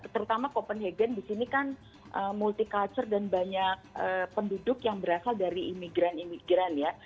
terutama copenhagen di sini kan multi culture dan banyak penduduk yang berasal dari imigran imigran ya